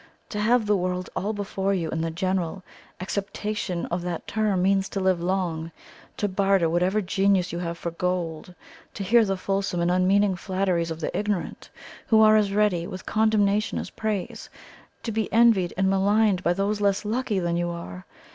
To have the world all before you in the general acceptation of that term means to live long, to barter whatever genius you have for gold, to hear the fulsome and unmeaning flatteries of the ignorant, who are as ready with condemnation as praise to be envied and maligned by those less lucky than you are.